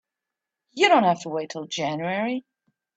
You don't have to wait till January.